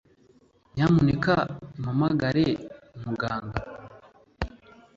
Nyamuneka umpamagare umuganga